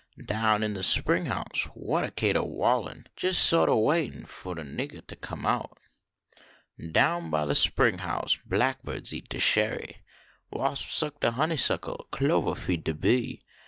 Down in de spring house what a catenvaulin Jals sort a waitin fo de niggah to come out. Down by de spring house blackbirds eat de cherry. Wasp suck de honeysuckle, clovah feed fie bee.